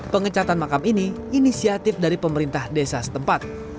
pengecatan makam ini inisiatif dari pemerintah desa setempat